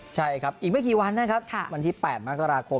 ใช่ครับอีกไม่กี่วันนะครับวันที่๘มกราคม